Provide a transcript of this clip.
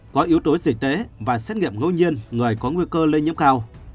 có yếu tố dịch tế và xét nghiệm ngâu nhiên người có nguy cơ lây nhiễm cao